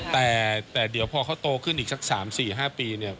แต่เดี๋ยวพอเขาโตขึ้นอีกสัก๓๔๕ปีเนี่ย